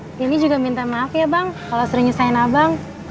nantini juga minta maaf ya bang kalo sering nyusahin abang